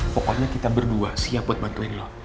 pokoknya kita berdua siap buat bantuin